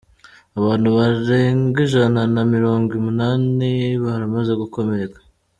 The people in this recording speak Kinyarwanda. Abantu barenga ijana na mirongo umunani baramaze gukomereka.